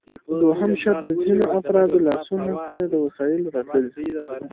دوهم شرط د ځینو افرادو لاسونو ته د وسایلو راتلل دي